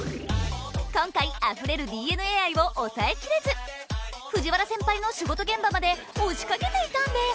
今回あふれるＤｅＮＡ愛を抑えきれず藤原先輩の仕事現場まで押しかけていたんです。